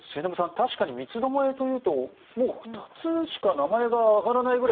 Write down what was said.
確かに三つどもえというともう２つしか名前が挙がらないぐらい